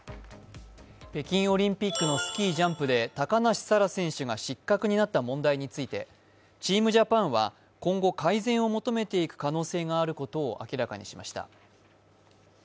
北京オリンピックのスキージャンプで高梨沙羅選手が失格となった問題についてチームジャパンは今後改善を求めていく可能性があることを明らかにしました。